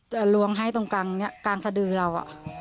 ลวงให้ตรงกลางสะดือเรา